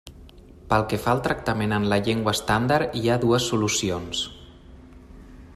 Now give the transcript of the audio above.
Pel que fa al tractament en la llengua estàndard, hi ha dues solucions.